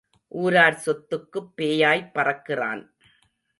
ஊரார் சொத்துக்குப் பேயாய்ப் பறக்கிறான்.